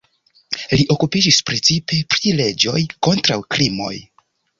Li okupiĝis precipe pri leĝoj kontraŭ krimoj.